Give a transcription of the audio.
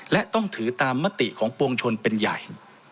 และต้องถือตามมติของปวงชนเป็นใหญ่